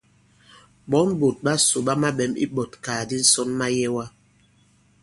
Ɓɔ̌ŋ ɓòt ɓasò ɓa maɓɛ̀m iɓɔ̀tkàgàdi ǹsɔn mayɛwa.